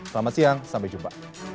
selamat siang sampai jumpa